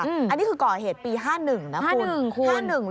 อันนี้คือก่อเหตุปี๕๑นะคุณ